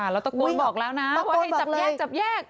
แล้วตะโกนบอกแล้วนะว่าให้จับแยกจับแยก